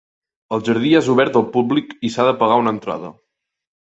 El jardí és obert al públic i s'ha de pagar una entrada.